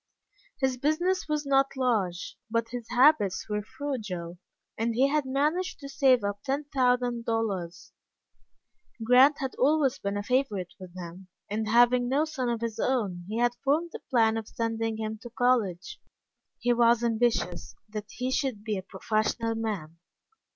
His business was not large, but his habits were frugal, and he had managed to save up ten thousand dollars. Grant had always been a favorite with him, and having no son of his own he had formed the plan of sending him to college. He was ambitious that he should be a professional man.